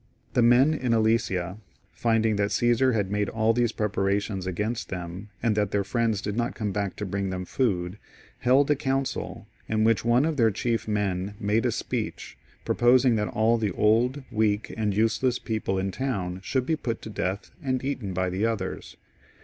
The men in Alesia finding that Caesar had made aU these preparations against them, and that their friends did not come back to bring them food, held a council, in which one of their chief men made a speech, proposing that all the old, weak, and useless people iii the town should be put to death, and eaten by the others.